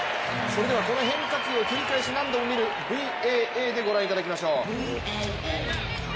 それではこの変化球を繰り返し何度も見るＶＡＡでご覧いただきましょう。